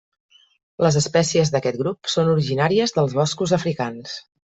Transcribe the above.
Les espècies d'aquest grup són originàries dels boscos africans.